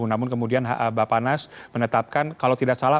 namun kemudian bapak nas menetapkan kalau tidak salah